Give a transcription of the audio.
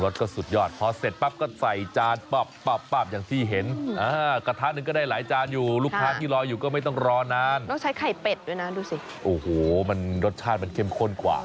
ร้อนานต้องใช้ไข่เป็ดด้วยนะดูสิโอ้โหมันรสชาติมันเข็มข้นกว่า